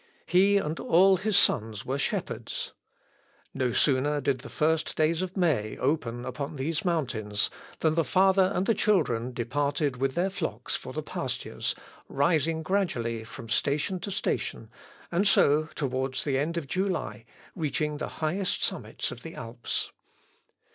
He and all his sons were shepherds. No sooner did the first days of May open upon these mountains than the father and the children departed with their flocks for the pastures, rising gradually from station to station, and so, towards the end of July, reaching the highest summits of the Alps.